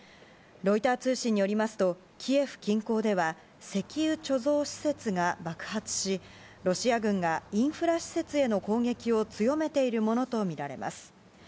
ロイター通信によりますとキエフ近郊では石油貯蔵施設が爆発しロシア軍がインフラ施設への攻撃を強めているものとみられます。